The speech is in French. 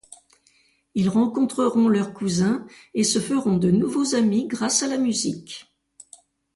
Ils rencontreront leurs cousins et se feront de nouveaux amis grâce à la musique.